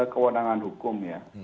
kewenangan hukum ya